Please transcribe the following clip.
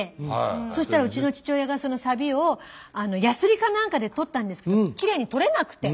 そしたらうちの父親がそのサビをやすりか何かで取ったんですけどきれいに取れなくて。